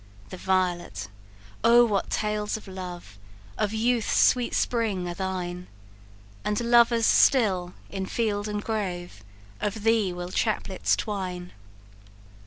The violet! oh, what tales of love, Of youth's sweet spring are thine! And lovers still in field and grove, Of thee will chaplets twine.